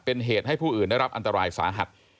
เป็นเหตุให้ผู้อื่นได้รับอันตรายสาหัส